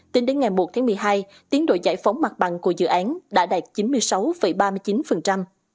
tính đến ngày một tháng một mươi hai tiến đội giải phóng mặt bằng của dự án đã đạt chín mươi sáu ba mươi chín